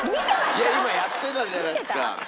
今やってたじゃないですか。